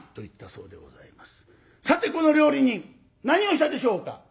さてこの料理人何をしたでしょうか？